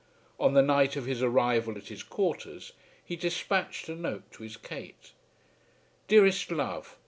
On the night of his arrival at his quarters he despatched a note to his Kate. Dearest love.